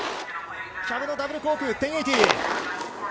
キャブのダブルコーク１０８０。